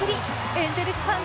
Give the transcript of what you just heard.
エンゼルスファン